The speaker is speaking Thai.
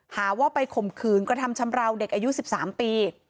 หาว่าไปข่มขืนกระทำชำราวเด็กอายุ๑๓ปี